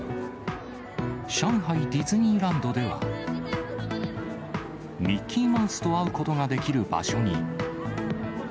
上海ディズニーランドでは、ミッキーマウスと会うことができる場所に。